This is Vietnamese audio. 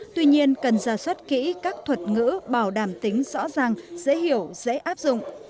tuy nhiên cần ra soát kỹ các thuật ngữ bảo đảm tính rõ ràng dễ hiểu dễ áp dụng